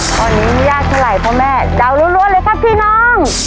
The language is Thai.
ตอนนี้ไม่ยากเท่าไรเพราะแม่ดาวรวดรวดเลยครับพี่น้อง